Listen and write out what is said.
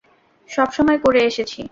সবসময় করে এসেছি।